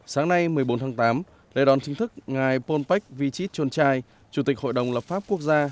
sáng nay một mươi bốn tháng tám lời đón chính thức ngài polpech vichit chonchai chủ tịch hội đồng lập pháp quốc gia